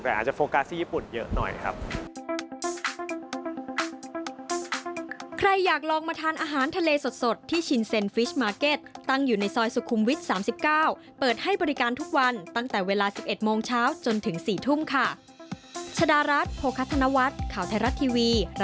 แต่อาจจะโฟกัสที่ญี่ปุ่นเยอะหน่อยครับ